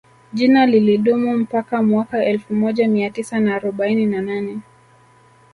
Jina lilidumu mpaka mwaka elfu moja Mia Tisa na arobaini na nane